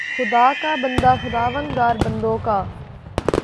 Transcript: خدا کا بندہ، خداوندگار بندوں کا